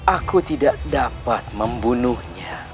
aku tidak dapat membunuhnya